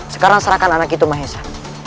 sekarang serahkan anak itu mahesa